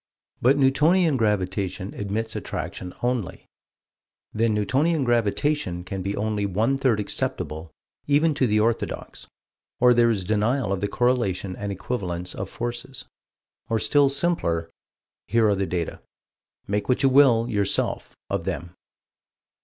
But Newtonian Gravitation admits attraction only: Then Newtonian Gravitation can be only one third acceptable even to the orthodox, or there is denial of the correlation and equivalence of forces. Or still simpler: Here are the data. Make what you will, yourself, of them.